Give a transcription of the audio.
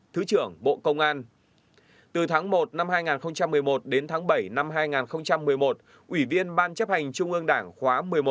từ tháng một đến tháng bảy năm hai nghìn một mươi một ủy viên ban chấp hành trung ương đảng khóa một mươi một